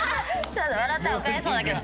笑ったら怒られそうだけど。